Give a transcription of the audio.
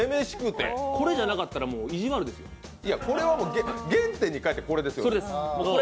これじゃなかったら、意地悪ですよいや、これは原点に帰ってこれですよ。